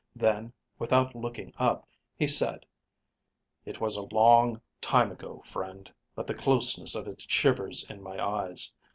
Then, without looking up, he said, "It was a long time ago, friend, but the closeness of it shivers in my eyes.